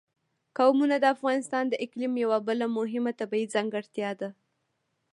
قومونه د افغانستان د اقلیم یوه بله مهمه طبیعي ځانګړتیا ده.